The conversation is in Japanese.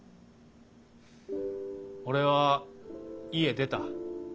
俺は家出た。